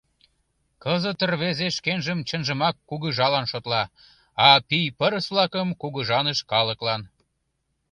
Кызыт рвезе шкенжым чынжымак кугыжалан шотла, а пий-пырыс-влакым — кугыжаныш калыклан.